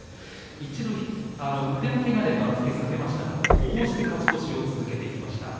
一度腕のけがで番付を下げましたが勝ち越しを続けてきました。